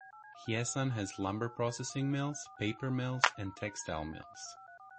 Hyesan has lumber processing mills, paper mills and textile mills.